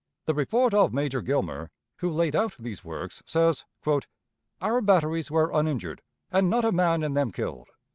The report of Major Gilmer, who laid out these works, says: "Our batteries were uninjured, and not a man in them killed.